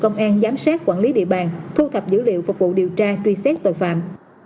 công an giám sát quản lý địa bàn thu thập dữ liệu phục vụ điều tra truy xét tội phạm